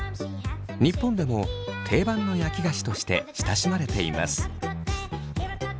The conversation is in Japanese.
日本でも定番の焼き菓子として親しまれています。